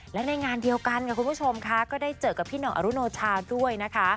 และในงานเดียวกันค่ะคุณผู้ชมค่ะก็ได้เจอกับพี่ห่องอรุโนชาด้วยนะคะ